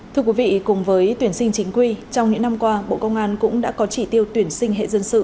thưa quý vị cùng với tuyển sinh chính quy trong những năm qua bộ công an cũng đã có chỉ tiêu tuyển sinh hệ dân sự